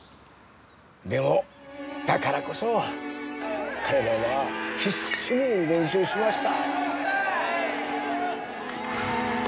でもだからこそ彼らは必死に練習しました。